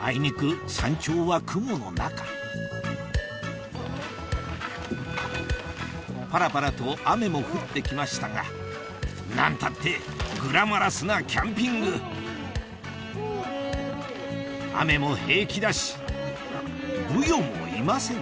あいにく山頂は雲の中パラパラと雨も降って来ましたが何たってグラマラスなキャンピング雨も平気だしブヨもいません